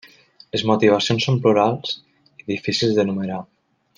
Les motivacions són plurals i difícils d'enumerar.